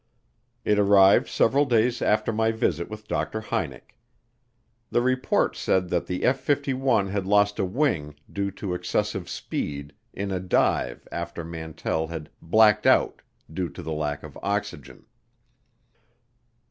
It arrived several days after my visit with Dr. Hynek. The report said that the F 51 had lost a wing due to excessive speed in a dive after Mantell had "blacked out" due to the lack of oxygen.